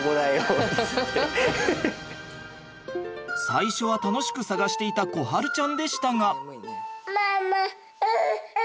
最初は楽しく探していた心晴ちゃんでしたが。